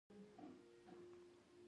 سوداګري به وده وکړي.